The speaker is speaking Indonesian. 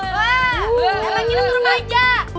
wah emang ini rumah aja